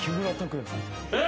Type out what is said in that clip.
えっ！